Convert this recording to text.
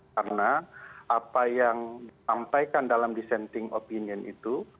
karena apa yang disampaikan dalam dissenting opinion itu